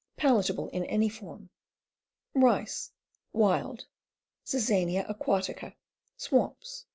Palatable in any form. Rice, Wild. Zizania aquatica. Swamps.